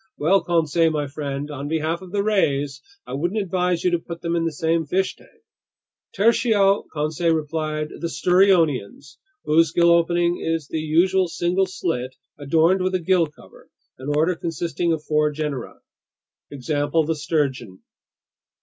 Well, Conseil my friend, on behalf of the rays, I wouldn't advise you to put them in the same fish tank!" "Tertio," Conseil replied, "The sturionians, whose gill opening is the usual single slit adorned with a gill cover, an order consisting of four genera. Example: the sturgeon."